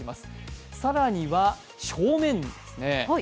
更には正面です。